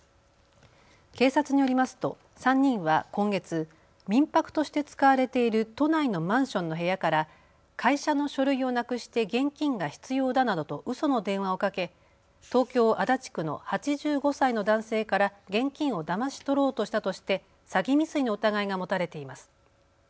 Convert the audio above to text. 警察によりますと３人は今月、民泊として使われている都内のマンションの部屋から会社の書類をなくして現金が必要だなどとうその電話をかけ、東京足立区の８５歳の男性から現金をだまし取ろうとしたとして詐欺未遂の疑いが持たれています。